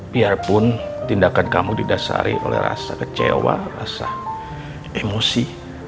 biarpun tindakan kamu didasari oleh rasa kecewa rasa emosi